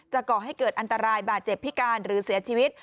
ก่อให้เกิดอันตรายบาดเจ็บพิการหรือเสียชีวิต